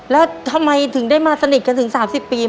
แล้วทำไมถึงได้มาสนิทกันถึง๓๐ปี